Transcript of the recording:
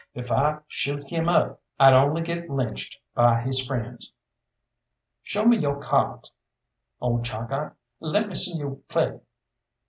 If I shoot him up I'd only get lynched by his friends." "Show me yo' cyards, old Chalkeye let me see yo' play."